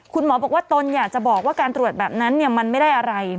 คุณหมอบอกว่าตนอยากจะบอกว่าการตรวจแบบนั้นมันไม่ได้อะไร